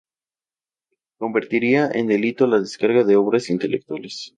convertiría en delito la descarga de obras intelectuales